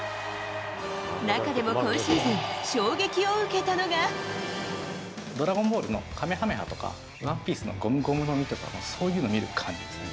中でも今シーズン、衝撃を受けたドラゴンボールのかめはめ波とか、ワンピースのゴムゴムの実とか、そういうの見る感じですね。